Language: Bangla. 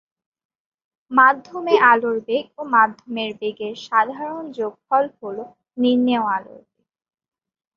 মাধ্যমে আলোর বেগ ও মাধ্যমের বেগের সাধারণ যোগফল হলো নির্ণেয় আলোর বেগ।